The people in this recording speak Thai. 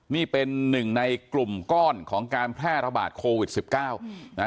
นี่เป็นหนึ่งในกลุ่มก้อนของการแพร่ระบาดโควิดสิบเก้านะฮะ